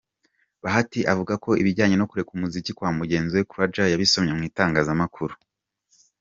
Bahati avuga ko ibijyanye no kureka muzika bya mugenzi we Croidja yabisomye mu itangazamakuru.